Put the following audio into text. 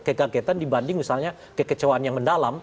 kekagetan dibanding misalnya kekecewaan yang mendalam